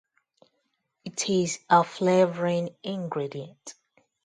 It is a flavoring ingredient.